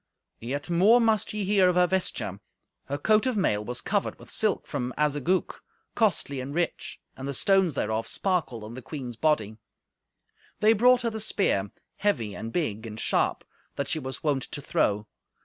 Yet more must ye hear of her vesture. Her coat of mail was covered with silk from Azagouc, costly and rich, and the stones thereof sparkled on the queen's body. They brought her the spear, heavy and big and sharp, that she was wont to throw.